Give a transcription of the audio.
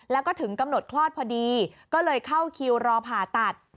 แล้วก็ถึงกำหนดคลอดพอดีก็เลยเข้าคิวรอผ่าตัด